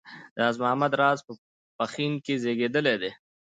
راز محمد راز په پښین کې زېږېدلی دی